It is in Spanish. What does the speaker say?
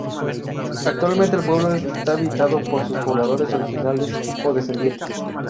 Actualmente el pueblo está habitado por sus pobladores originales o descendientes.